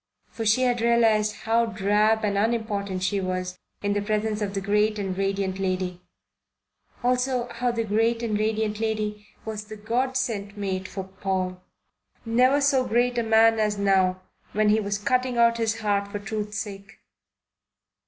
For she had realized how drab and unimportant she was in the presence of the great and radiant lady; also how the great and radiant lady was the God sent mate for Paul, never so great a man as now when he was cutting out his heart for truth's sake.